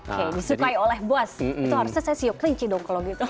oke disukai oleh bos itu harusnya saya siok kelinci dong kalau gitu